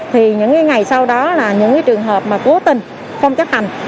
thì những ngày sau đó là những trường hợp mà cố tình không chấp hành